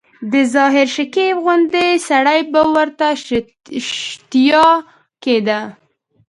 د ظاهر شکیب غوندي سړي به ورته شتیا کېده.